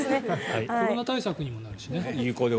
コロナ対策にもなるしね。